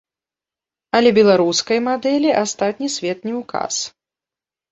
Але беларускай мадэлі астатні свет не ўказ.